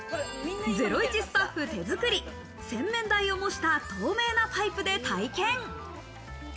『ゼロイチ』スタッフ手作り、洗面台を模した透明のパイプで体験。